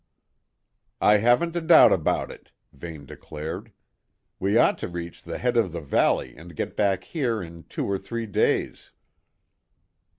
"I haven't a doubt about it," Vane declared. "We ought to reach the head of the valley and get back here in two or three days."